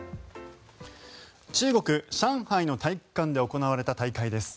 中国・上海の体育館で行われた大会です。